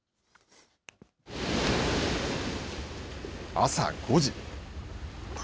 朝５時。